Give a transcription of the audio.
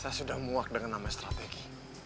saya sudah muak dengan namanya strategi